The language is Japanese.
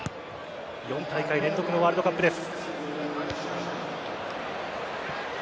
４大会連続のワールドカップです。